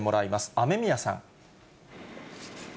雨宮さん。